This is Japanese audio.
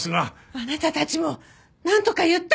あなたたちもなんとか言ったら！？